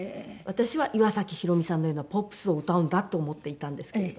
私は岩崎宏美さんのようなポップスを歌うんだと思っていたんですけれど。